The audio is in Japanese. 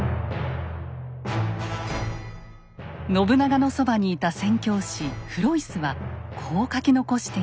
信長のそばにいた宣教師フロイスはこう書き残しています。